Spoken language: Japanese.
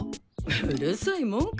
うるさいもんか！